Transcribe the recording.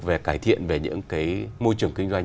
về cải thiện về những cái môi trường kinh doanh